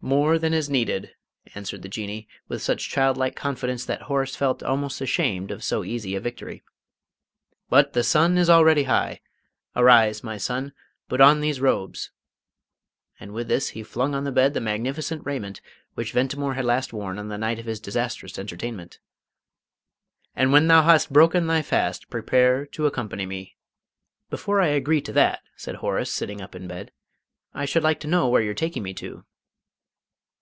"More than is needed," answered the Jinnee, with such childlike confidence, that Horace felt almost ashamed of so easy a victory. "But the sun is already high. Arise, my son, put on these robes" and with this he flung on the bed the magnificent raiment which Ventimore had last worn on the night of his disastrous entertainment "and when thou hast broken thy fast, prepare to accompany me." "Before I agree to that," said Horace, sitting up in bed, "I should like to know where you're taking me to."